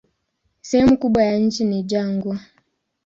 Sehemu kubwa ya nchi ni jangwa.